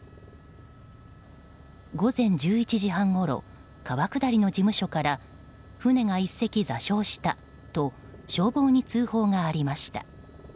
午前１１時半ごろ川下りの事務所から船が１隻、座礁したと消防に通報がありました。